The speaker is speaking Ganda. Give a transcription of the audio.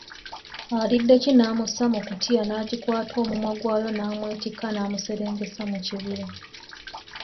Aliddeki namussa mu kkutiya n’agikwata omumwa gwayo namwetikka namuserengesa mu kibira.